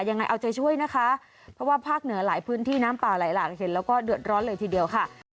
ยังไงเอาใจช่วยนะคะเพราะว่าภาคเหนือหลายพื้นที่น้ำป่าไหลหลาก